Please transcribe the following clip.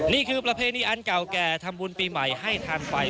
นี่คือประเพณีอันเก่าแก่ทำบุญปีใหม่ให้ทานไฟ